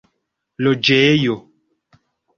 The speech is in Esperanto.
loĝejo